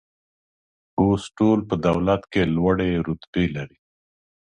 اوس ټول په دولت کې لوړې رتبې لري